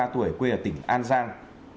hai mươi ba tuổi quê ở tỉnh an giang